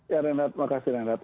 ya renat terima kasih renat